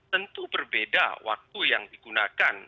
tentu berbeda waktu yang digunakan